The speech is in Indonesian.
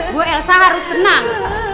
bu elsa harus tenang